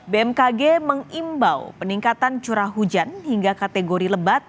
bmkg mengimbau peningkatan curah hujan hingga kategori lebat